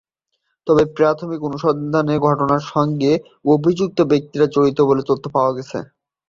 তবে প্রাথমিক অনুসন্ধানে ঘটনার সঙ্গে অভিযুক্ত ব্যক্তিরা জড়িত বলে তথ্য পাওয়া গেছে।